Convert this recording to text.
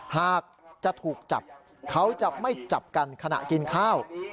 หากจะถูกจับเขาจะไม่จับกันขณะกินข้าว